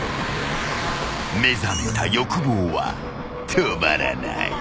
［目覚めた欲望は止まらない］